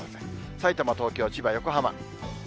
さいたま、東京、千葉、横浜。